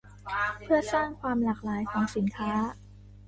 เพื่อสร้างความหลากหลายของสินค้า